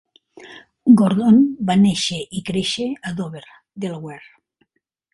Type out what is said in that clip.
Gordon va néixer i créixer a Dover, Delaware.